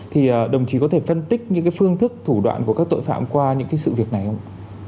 thì đồng chí có thể phân tích những phương thức thủ đoạn của các tội phạm qua những sự việc này không